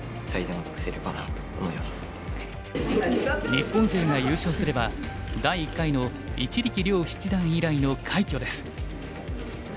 日本勢が優勝すれば第１回の一力遼七段以来の快挙です。